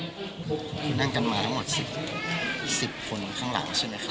คือนั่งกันมาทั้งหมด๑๐คนข้างหลังใช่ไหมครับ